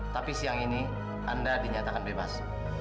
tapi siang ini anda dinyatakan bebas